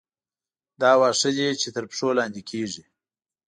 دا واښه دي چې تر پښو لاندې کېږي.